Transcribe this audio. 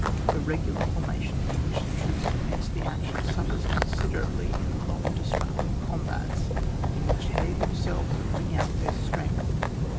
The regular formation in which the troops commence the action suffers con siderably in the long destructive com bats, in which they themselves wring out their strength.